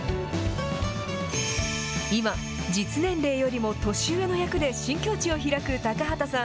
今、実年齢よりも年上の役で新境地を開く高畑さん。